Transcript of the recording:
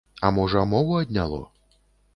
А можа, мову адняло?